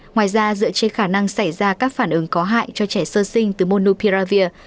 ngoài ra dựa trên khả năng xảy ra các phản ứng có hại cho trẻ sơ sinh từ monopia